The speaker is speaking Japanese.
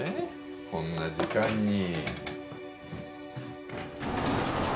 こんな時間に。